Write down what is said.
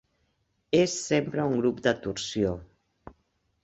És sempre un grup de torsió.